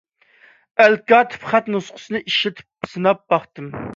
ئەلكاتىپ خەت نۇسخىسىنى ئىشلىتىپ سىناپ باقتىم.